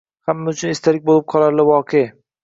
Hamma uchun esdalik bo‘lib qolarli voqe.